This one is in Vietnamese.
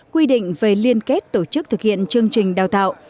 quy định về liên kết tổ chức thực hiện chương trình đào tạo